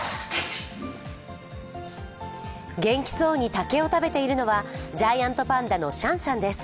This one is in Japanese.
元気そうに竹を食べているのはジャイアントパンダのシャンシャンです。